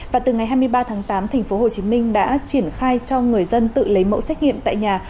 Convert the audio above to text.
và từ ngày hai mươi ba tháng tám thành phố hồ chí minh đã triển khai cho người dân tự lấy mẫu xét nghiệm tại nhà